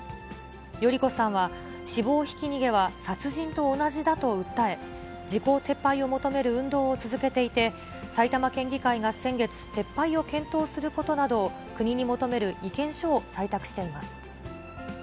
代里子さんは、死亡ひき逃げは殺人と同じだと訴え、時効撤廃を求める運動を続けていて、埼玉県議会が先月、撤廃を検討することなどを国に求める意見書を採択しています。